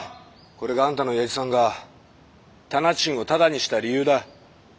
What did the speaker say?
これがあんたの親父さんが店賃をただにした理由だ。